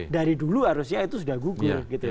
dari dulu harusnya itu sudah gugur gitu